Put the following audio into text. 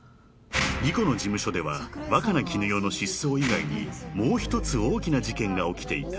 ［莉湖の事務所では若菜絹代の失踪以外にもう一つ大きな事件が起きていた］